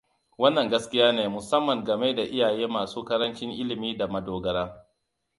Wannan gaskiyane musamman gameda iyaye masu karancin Ilimi da madogara.